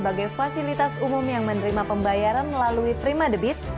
bagaimana menyelesaikan masalah tersebut